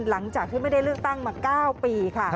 หลังจากที่ไม่ได้เลือกตั้งมา๙ปีค่ะ